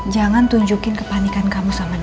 jangan tunjukin kepanikan kamu sama dia